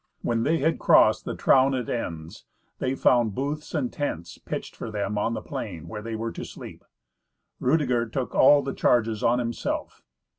When they had crossed the Traun at Enns, they found booths and tents pitched for them on the plain where they were to sleep. Rudeger took all the charges on himself.